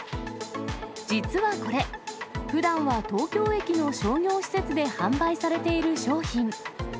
実はこれ、ふだんは東京駅の商業施設で販売されている商品。